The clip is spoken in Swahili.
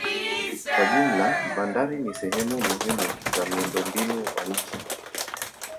Kwa jumla bandari ni sehemu muhimu za miundombinu wa nchi.